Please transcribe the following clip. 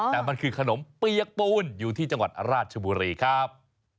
แต่มันคือขนมเปียกปูนอยู่ที่จังหวัดราชบุรีครับ